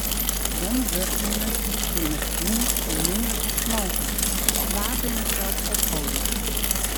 Guon wurknimmers binne begûn om minder te smoken, twa binne sels opholden.